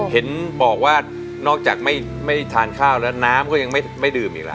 เห็นบอกว่านอกจากไม่ได้ทานข้าวแล้วน้ำก็ยังไม่ดื่มอีกแล้ว